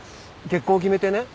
結婚を決めてね